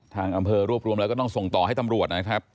ทางอำเภอรวบรวมแล้วก็ต้องส่งต่อให้ตำรวจนะครับ